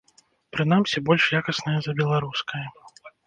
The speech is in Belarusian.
Прынамсі, больш якаснае за беларускае.